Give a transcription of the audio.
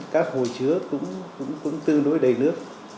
các hồ chứa cũng tương đối đầy nước